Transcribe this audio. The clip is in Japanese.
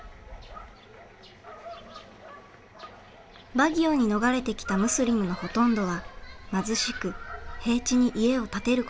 バギオに逃れてきたムスリムのほとんどは貧しく平地に家を建てることができません。